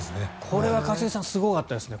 これは一茂さんすごかったですね。